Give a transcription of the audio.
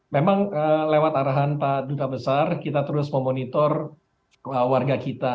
memang lewat arahan pak duta besar kita terus memonitor warga kita